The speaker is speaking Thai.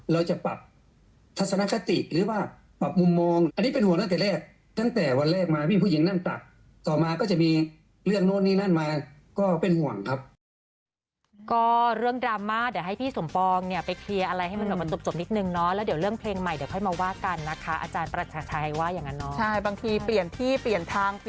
เราจะปรับทัศนคติหรือว่าปรับมุมมองอันนี้เป็นห่วงตั้งแต่แรกตั้งแต่วันแรกมามีผู้หญิงนั่นตัดต่อมาก็จะมีเรื่องโน้นนี่นั่นมาก็เป็นห่วงครับก็เรื่องดราม่าเดี๋ยวให้พี่สมปองเนี้ยไปเคลียร์อะไรให้มันแบบมันจบจบนิดหนึ่งเนอะแล้วเดี๋ยวเรื่องเพลงใหม่เดี๋ยวค่อยมาว่ากันนะคะอาจารย์ประชาชัยว่าอย่